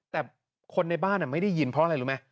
แต่คนในบ้านไม่ได้ยินเพราะอะไรรู้ไหม